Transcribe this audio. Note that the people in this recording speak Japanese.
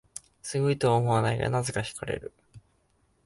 すごいとは思わないが、なぜか惹かれる